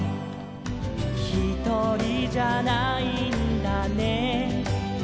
「ひとりじゃないんだね」